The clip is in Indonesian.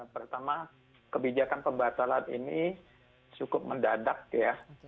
pertama kebijakan pembatalan ini cukup mendadak ya